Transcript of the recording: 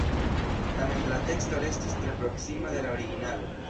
Tamen la teksto restis tre proksima de la originalo.